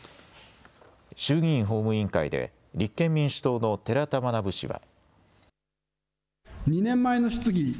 衆議院法務委員会で立憲民主党の寺田学氏は。